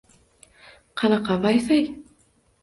Qanaqa vayfay...